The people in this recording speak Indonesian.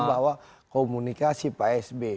bahwa komunikasi pak s b